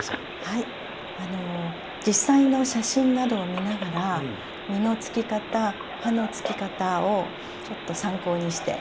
はいあの実際の写真などを見ながら実のつき方葉のつき方をちょっと参考にして。